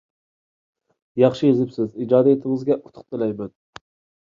ياخشى يېزىپسىز، ئىجادىيىتىڭىزگە ئۇتۇق تىلەيمەن.